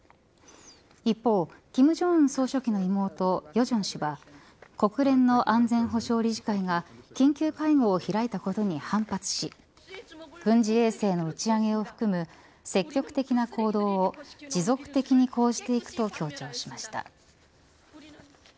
一方、金正恩総書記の妹与正氏は国連の安全保障理事会が緊急会合を開いたことに反発し軍事衛星の打ち上げを含む積極的な行動を持続的に講じていくと強調しました。